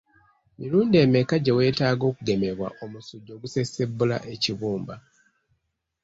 Mirundi emeka gye weetaaga okugemebwa omusujja ogusesebbula ekibumba?